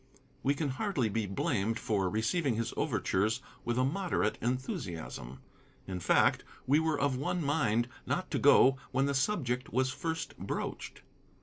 We can hardly be blamed for receiving his overtures with a moderate enthusiasm. In fact, we were of one mind not to go when the subject was first broached.